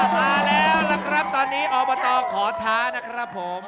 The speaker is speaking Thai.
มาแล้วล่ะครับตอนนี้อบตขอท้านะครับผม